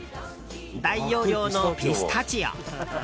大容量のピスタチオ。